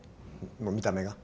もう見た目が。